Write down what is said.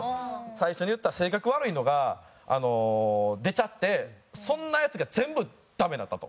最初に言った性格悪いのが出ちゃってそんなやつが全部ダメになったと。